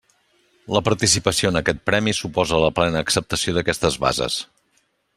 La participació en aquest Premi suposa la plena acceptació d'aquestes bases.